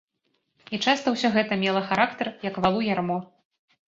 І часта ўсё гэта мела характар, як валу ярмо.